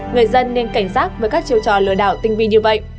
người dân nên cảnh giác với các chiêu trò lừa đảo tinh vi như vậy